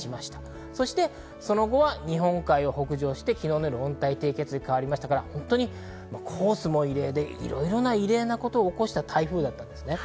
そしてその後は日本海を北上して昨日の夜、温帯低気圧に変わりましたから、コースも異例で、いろいろな異例なことを起こした台風だったんです。